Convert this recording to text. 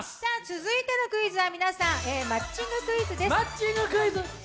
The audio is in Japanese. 続いてのクイズは皆さんマッチングクイズです。